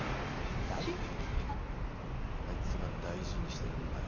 アイツが大事にしてるもんだよ。